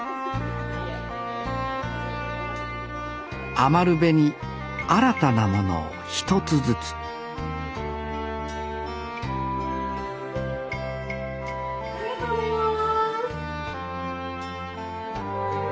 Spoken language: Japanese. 余部に新たなものを一つずつありがとうございます。